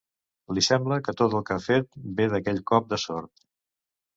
Li sembla que tot el que ha fet ve d'aquell cop de sort.